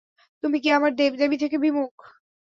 তুমি কি আমার দেব-দেবী থেকে বিমুখ?